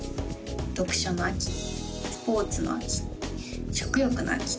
読書の秋スポーツの秋食欲の秋